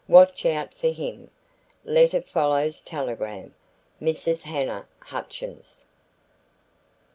Watch out for him. Letter follows telegram. Mrs. Hannah Hutchins."